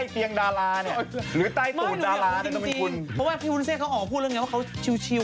เพราะว่าพี่ฟุนเซฟเขาออกมาพูดเรื่องอย่างนี้ว่าเขาชิว